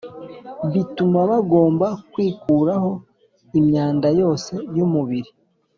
bituma bagomba kwikuraho imyanda yose y umubiri